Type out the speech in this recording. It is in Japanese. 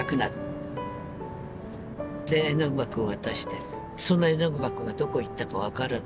で絵の具箱を渡してその絵の具箱がどこに行ったか分からない。